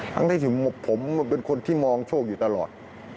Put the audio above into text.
ถึงผมเป็นคนที่มองโชคอยู่ตลอด